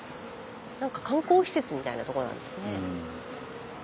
スタジオ観光施設みたいなとこなんですね。